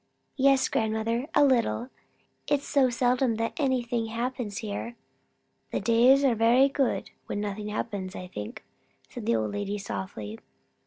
"Yes, grandmother, a little. It's so seldom that anything happens, here." "The days are very good, when nothing happens. I think," said the old lady softly.